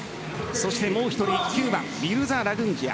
そして、もう１人９番ミルザ・ラグンジヤ。